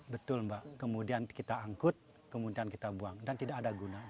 betul mbak kemudian kita angkut kemudian kita buang dan tidak ada gunanya